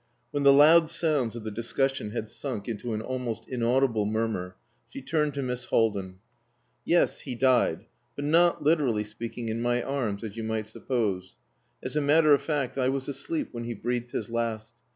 When the loud sounds of the discussion had sunk into an almost inaudible murmur, she turned to Miss Haldin. "Yes, he died, but not, literally speaking, in my arms, as you might suppose. As a matter of fact, I was asleep when he breathed his last.